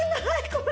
これ。